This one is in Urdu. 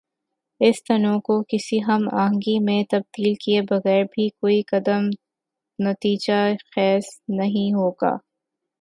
اس تنوع کو کسی ہم آہنگی میں تبدیل کیے بغیربھی کوئی قدم نتیجہ خیز نہیں ہو گا۔